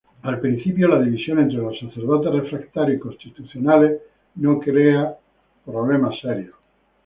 Al principio la división entre los sacerdotes "refractarios" y "constitucionales" no crea problemas serios.